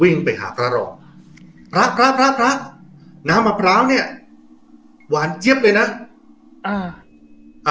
วิ่งไปหาพระรองพระพระพระน้ำมะพร้าวเนี้ยหวานเจี๊ยบเลยนะอ่า